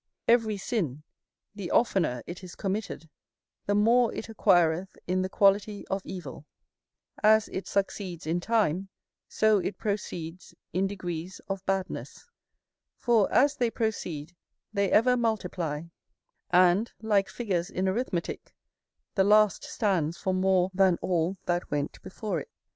Every sin, the oftener it is committed, the more it acquireth in the quality of evil; as it succeeds in time, so it proceeds in degrees of badness; for as they proceed they ever multiply, and, like figures in arithmetick, the last stands for more than all that went before it.